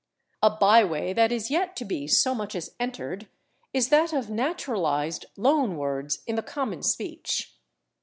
A by way that is yet to be so much as entered is that of naturalized loan words in the common speech.